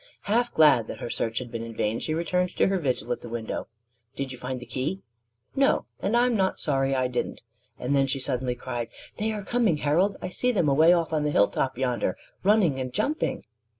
Half glad that her search had been in vain, she returned to her vigil at the window. "Did you find the key?" "No; and I'm not sorry I didn't." And then she suddenly cried: "They are coming, Harold! I see them away off on the hilltop yonder, running and jumping."